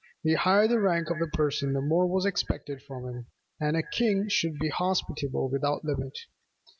The higher the rank of the person the more was expected from him, and a king should be hospitable without limit.